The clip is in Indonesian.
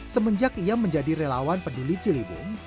semenjak ia menjadi relawan peduli ciliwung